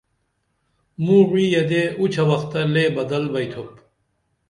موں وعی یدے اُچھہ وختہ لے بدل بئتُھوپ